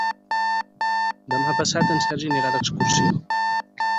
Demà passat en Sergi anirà d'excursió.